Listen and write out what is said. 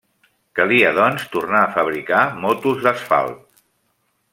Calia, doncs, tornar a fabricar motos d'asfalt.